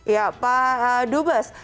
ya pak dubas